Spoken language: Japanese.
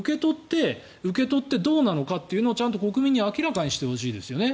受け取ってどうなのかってのをちゃんと国民に明らかにしてほしいですよね。